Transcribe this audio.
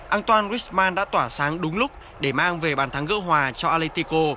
antoine griezmann đã tỏa sáng đúng lúc để mang về bàn thắng gỡ hòa cho atletico